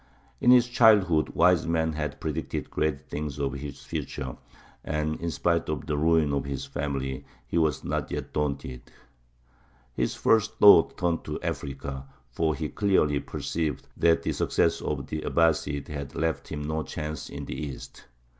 In his childhood wise men had predicted great things of his future, and in spite of the ruin of his family he was not yet daunted. His first thoughts turned to Africa; for he clearly perceived that the success of the Abbāsides had left him no chance in the East.